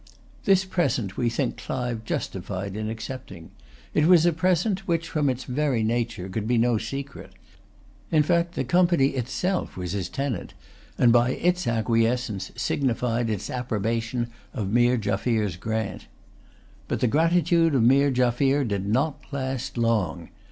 This present we think Clive justified in accepting. It was a present which, from its very nature, could be no secret. In fact, the Company itself was his tenant, and, by its acquiescence, signified its approbation of Meer Jaffier's grant. But the gratitude of Meer Jaffier did not last long.